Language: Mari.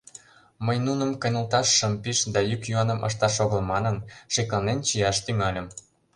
Мый нуным кынелташ шым пиж да йӱк-йӱаным ышташ огыл манын, шекланен чияш тӱҥальым.